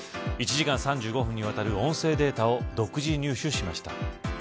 １時間３５分にわたる音声データを独自入手しました。